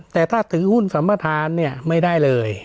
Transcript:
แต่ถ้าถือหุ้นสัมพทานไม่ได้เลย